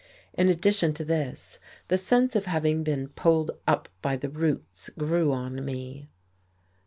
In addition to this, the sense of having been pulled up by the roots grew upon me.